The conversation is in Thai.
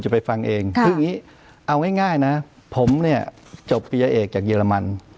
ไปฟังเองคืออย่างนี้เอาง่ายนะผมเนี่ยจบปียเอกจากเยอรมัน